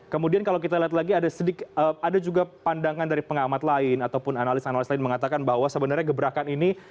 kemudian kalau kita lihat lagi ada juga pandangan dari pengamat lain ataupun analis analis lain mengatakan bahwa sebenarnya gebrakan ini